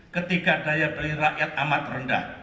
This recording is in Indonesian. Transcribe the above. ketika daya beli rakyat amat rendah